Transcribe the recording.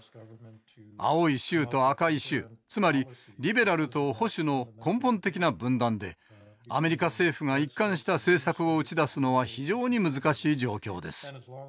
青い州と赤い州つまりリベラルと保守の根本的な分断でアメリカ政府が一貫した政策を打ち出すのは非常に難しい状況です。